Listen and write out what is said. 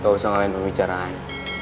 gak usah ngeliat pembicaraan